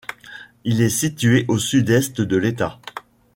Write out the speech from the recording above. Il est situé au sud-est de l'État.